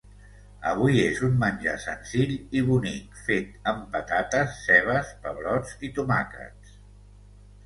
Avui és un menjar senzill i bonic fet amb patates, cebes, pebrots i tomàquets.